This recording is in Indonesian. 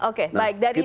oke baik dari segi